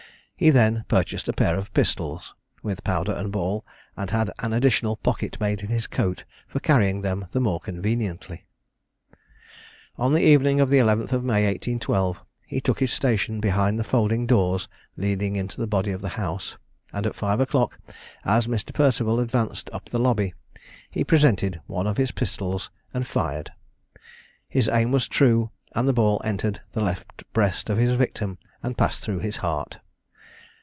He then purchased a pair of pistols, with powder and ball, and had an additional pocket made in his coat for carrying them the more conveniently. On the evening of the 11th of May, 1812, he took his station behind the folding doors leading into the body of the House, and at five o'clock, as Mr. Perceval advanced up the lobby, he presented one of his pistols and fired. His aim was true, and the ball entered the left breast of his victim and passed through his heart.